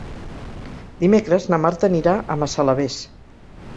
Dimecres na Marta anirà a Massalavés.